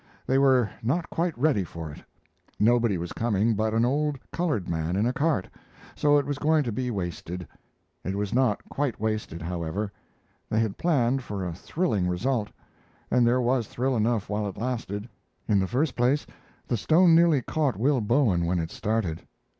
They were not quite ready for it. Nobody was coming but an old colored man in a cart, so it was going to be wasted. It was not quite wasted, however. They had planned for a thrilling result; and there was thrill enough while it lasted. In the first place, the stone nearly caught Will Bowen when it started.